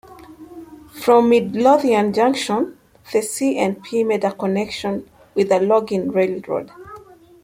From Midlothian Junction, the C and P made a connection with a logging railroad.